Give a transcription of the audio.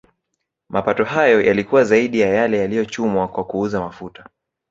Mapato hayo yalikuwa zaidi ya yale yaliyochumwa kwa kuuza mafuta